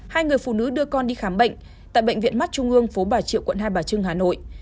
hai người phụ nữ đưa con đi khám bệnh tại bệnh viện mắt trung ương phố bà triệu quận hai bà trưng hà nội